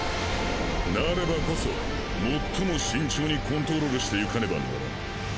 なればこそ最も慎重にコントロールしてゆかねばならん。